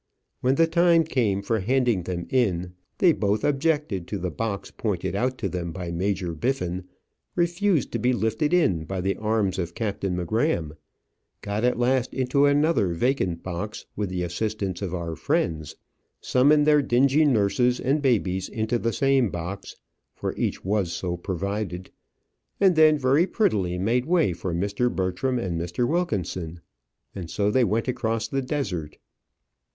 When the time came for handing them in, they both objected to the box pointed out to them by Major Biffin refused to be lifted in by the arms of Captain M'Gramm got at last into another vacant box with the assistance of our friends summoned their dingy nurses and babies into the same box (for each was so provided) and then very prettily made way for Mr. Bertram and Mr. Wilkinson. And so they went across the desert.